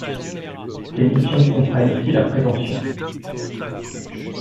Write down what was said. Ses missions comprennent aussi la prévention.